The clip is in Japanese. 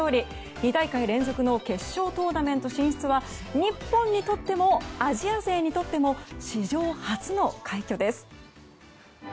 ２大会連続の決勝トーナメント進出は日本にとってもアジア勢にとっても史上初の快挙です。